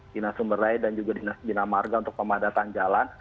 dinas sumber lain dan juga dinas binamarga untuk pemadatan jalan